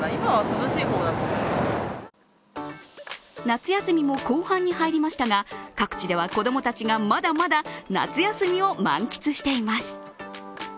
夏休みも後半に入りましたが各地では子供たちがまだまだ夏休みを満喫しています。